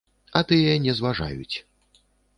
А тыя не зважаюць.